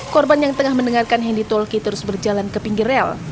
korban yang tengah mendengarkan handi tulki terus berjalan ke pinggir rel